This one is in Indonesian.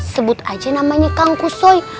sebut aja namanya kang kusoy